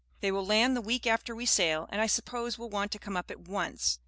They will land the week after we sail, and I suppose will want to come up at once.